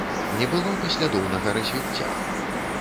Не было паслядоўнага развіцця.